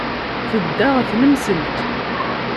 Tedda ɣer tnemselt.